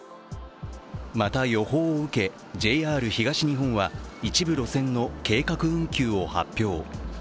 また、予報を受け、ＪＲ東日本は一部路線の計画運休を発表。